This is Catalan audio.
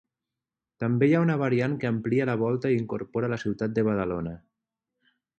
També hi ha una variant que amplia la volta i incorpora la ciutat de Badalona.